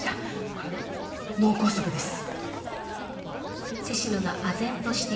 これは脳梗塞です。